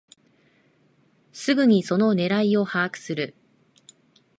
すぐにその狙いを把握する